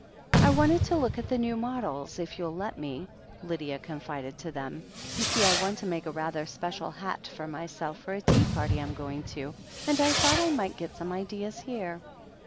"I wanted to look at the new models, if youll let me/' Lydia confided to them. "You see I want to make a rather special hat for myself for a tea party I'm going to, and I thought I might get some ideas here."